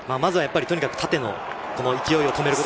とにかく縦の勢いを止めること。